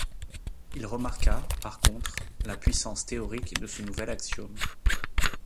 Il remarqua, par contre, la puissance théorique de ce nouvel axiome.